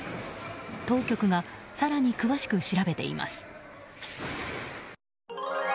当局が更に詳しく調べています。